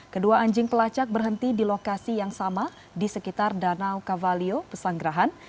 kedua anjing pelacak berhenti di lokasi yang sama di sekitar danau kavalio pesanggerahan